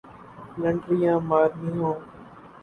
فلنٹریاں مارنی ہوں۔